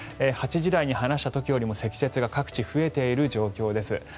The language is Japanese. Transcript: ８時台に話した時よりも積雪が各地増えている状況です。